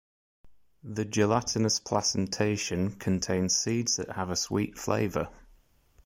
The gelatinous placentation contains seeds that have a sweet flavor.